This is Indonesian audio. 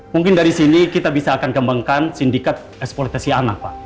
mungkin dari sini kita bisa akan kembangkan sindikat eksploitasi anak pak